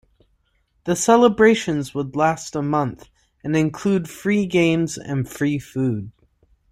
The celebrations would last a month and include free games and free food.